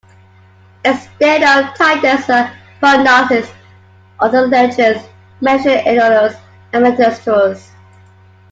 Instead of Tydeus and Polynices other legends mention Eteoclos and Mecisteus.